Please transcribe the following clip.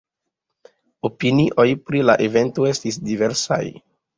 Opinioj pri la evento estis diversaj.